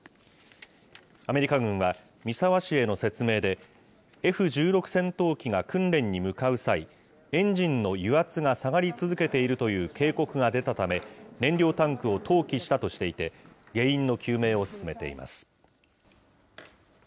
アメリカ軍は三沢市への説明で、Ｆ１６戦闘機が訓練に向かう際、エンジンの油圧が下がり続けているという警告が出たため、燃料タンクを投棄したとしていて、原因の究明を進めています。